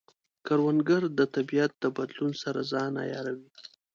کروندګر د طبیعت د بدلون سره ځان عیاروي